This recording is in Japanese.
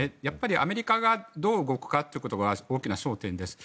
アメリカがどう動くかというのが大きな焦点です。